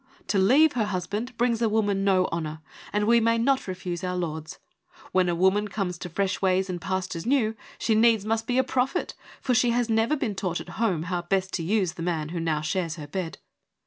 To leave her husband brings a woman no honour, and we may not refuse our lords. When a woman comes to fresh ways and pastures new, she needs must be a prophet, for she has never been taught at home how best to use the man who now shares her bed.